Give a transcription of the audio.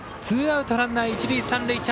ツーアウト、ランナー、一塁三塁。